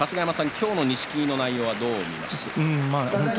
今日の錦木の内容どうですか？